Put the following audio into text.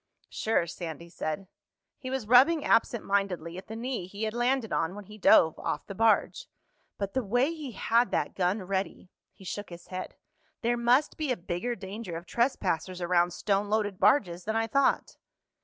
"Sure," Sandy said. He was rubbing absent mindedly at the knee he had landed on when he dove off the barge. "But the way he had that gun ready—" He shook his head. "There must be a bigger danger of trespassers around stone loaded barges than I thought."